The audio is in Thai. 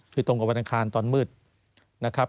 คือตรงกับวันอังคารตอนมืดนะครับ